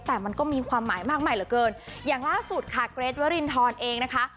แต่มันก็มีความหมายมากมายเหลือเกินอย่างล่าสุดค่ะเกรทวรินทรเองนะคะ